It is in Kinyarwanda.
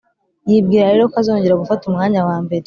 yibwira rero ko azongera gufata umwanya wambere